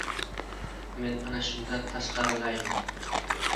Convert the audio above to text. Men ana shunda tashqarilayman.